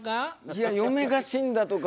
いや嫁が死んだとか